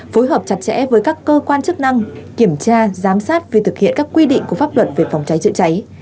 phối hợp chặt chẽ với các cơ quan chức năng kiểm tra giám sát việc thực hiện các quy định của pháp luật về phòng cháy chữa cháy